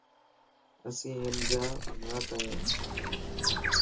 اسين ھنجا ماٽ ايا